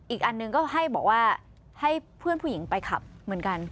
อีกอันหนึ่งก็ให้บอกว่าให้เพื่อนผู้หญิงไปขับเหมือนกัน